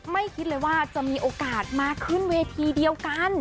คิดเลยว่าจะมีโอกาสมาขึ้นเวทีเดียวกัน